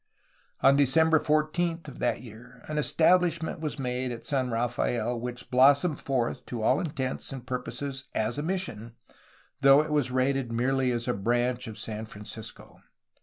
On December 14 of that year an establishment was made at San Rafael which blossomed forth to all intents and pur poses as a mission, although it was rated merely as a branch of San Francisco.